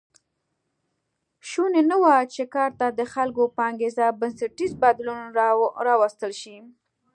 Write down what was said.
شونې نه وه چې کار ته د خلکو په انګېزه بنسټیز بدلون راوستل شي